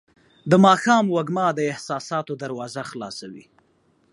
د ماښام وږمه د احساساتو دروازه خلاصوي.